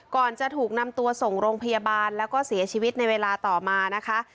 ก่อนจะถูกนำตัวส่งโรงพยาบาลแล้วก็เสียชีวิตในเวลาต่อมานะคะ